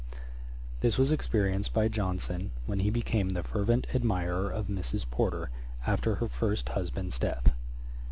This was experienced by Johnson, when he became the fervent admirer of Mrs. Porter, after her first husband's death.